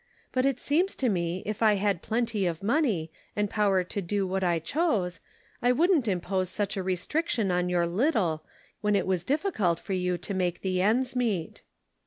" But it seems to me if I had plenty of money, and power to do what I chose, I wouldn't impose such a restriction on your little, when it was difficult for you to make the ends meet."